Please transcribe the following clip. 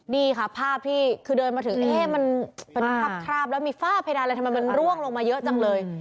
นี่ค่ะภาพที่คือเดินมาถึงเอ๊ะมันเป็นคราบแล้วมีฝ้าเพดานอะไรทำไมมันร่วงลงมาเยอะจังเลย